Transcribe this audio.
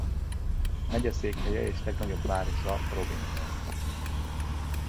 Megyeszékhelye és legnagyobb városa Robinson.